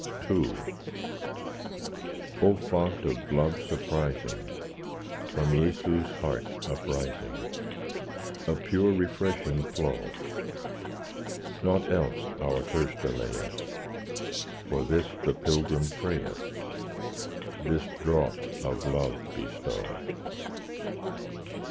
II O Font of love surprising, From Jesu's heart uprising! A pure refreshing flow; Nought else our thirst allayeth— For this the pilgrim prayeth— This draught of love bestow.